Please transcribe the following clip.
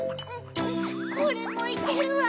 これもいけるわ！